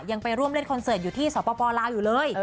ยังไปร่วมเล่นคอนเสิร์ตอยู่ที่สปลาวอยู่เลย